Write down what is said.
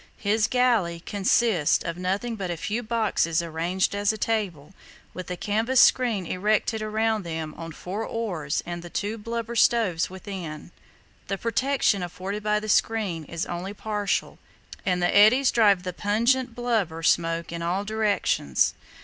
His galley consists of nothing but a few boxes arranged as a table, with a canvas screen erected around them on four oars and the two blubber stoves within. The protection afforded by the screen is only partial, and the eddies drive the pungent blubber smoke in all directions."